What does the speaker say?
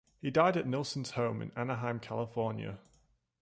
He died at Nilsson's home in Anaheim, California.